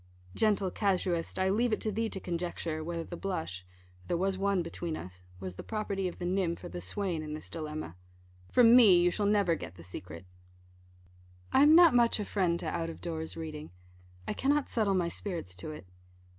Gentle casuist, I leave it to thee to conjecture, whether the blush (for there was one between us) was the property of the nymph or the swain in this dilemma. From me you shall never get the secret. I am not much a friend to out of doors reading. I cannot settle my spirits to it.